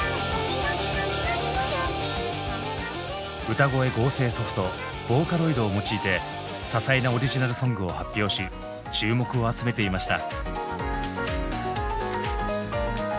歌声合成ソフト「ＶＯＣＡＬＯＩＤ」を用いて多彩なオリジナルソングを発表し注目を集めていました。